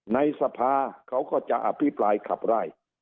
ในสภาเขาก็จะอภิปรายขับไล่